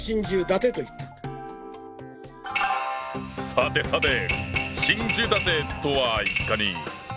さてさて「心中立て」とはいかに？